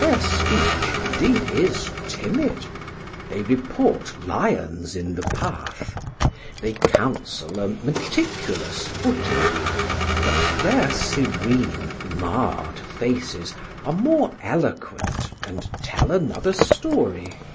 Their speech, indeed, is timid; they report lions in the path; they counsel a meticulous footing; but their serene, marred faces are more eloquent and tell another story.